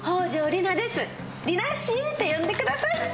りなっしーって呼んでください。